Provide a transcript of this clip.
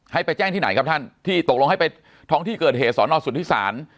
ให้ไปแจ้งที่ไหนครับท่านที่ตกลงให้ไปท้องที่เกิดเหตุสอนอสุทธิศาล